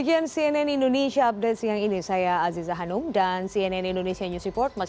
karena cukup membahayakan kondisi wabah